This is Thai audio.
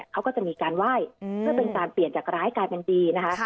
เขาก็จะมีการไหว้เพื่อเป็นการเปลี่ยนจากร้ายกลายเป็นดีนะคะ